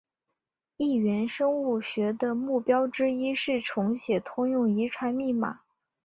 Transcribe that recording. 异源生物学的目标之一是重写通用遗传密码。